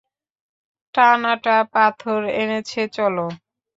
টানানা পাথর এনেছে, চলো।